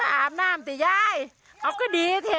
ม้าอาบน้ำติยายออก็ดีเท่าะ